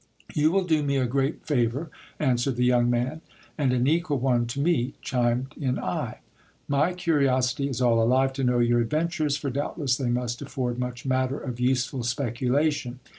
You will do me a great favour, answered the young man ; and an equal one to me, chimed in I. My curiosity is all alive to know your adventures, for doubtless they must afford much matter of useful speculation.